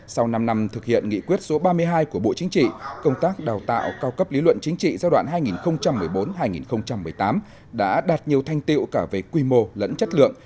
sau năm năm thực hiện nghị quyết số ba mươi hai của bộ chính trị công tác đào tạo cao cấp lý luận chính trị giai đoạn hai nghìn một mươi bốn hai nghìn một mươi tám đã đạt nhiều thanh tiệu cả về quy mô lẫn chất lượng